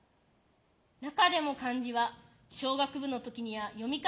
中でも漢字は小学部の時には読み方